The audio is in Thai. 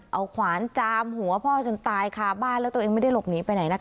เอาขวานจามหัวพ่อจนตายคาบ้านแล้วตัวเองไม่ได้หลบหนีไปไหนนะคะ